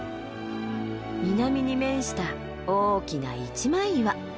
南に面した大きな一枚岩。